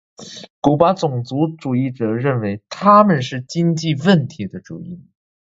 古巴种族主义者认为他们是经济问题的主因。